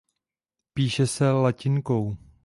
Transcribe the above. Píše se latinkou.